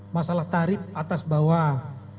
masalah tarif atas bawah